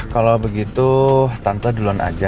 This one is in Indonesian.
kalau begitu tante duluan aja